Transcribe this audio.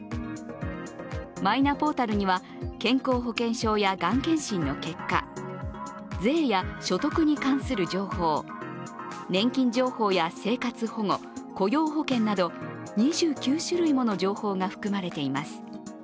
マイナポータルには健康保険証や、がん検診の結果、税や所得に関する情報、年金情報や生活保護、雇用保険など２９種類もの情報が含まれています。